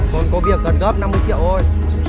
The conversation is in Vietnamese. con có việc cần góp năm mươi triệu thôi